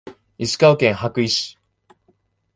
石川県羽咋市